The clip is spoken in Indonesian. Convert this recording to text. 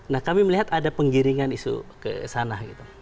nah kami melihat ada penggiringan isu kesana gitu